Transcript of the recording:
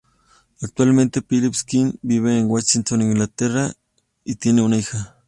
Actualmente, Phyllis King vive en Wiltshire, Inglaterra, y tiene una hija.